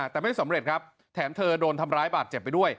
แต่ไม่สำเร็จครับแถมเธอโดนทำร้ายบาดเจ็บไปด้วย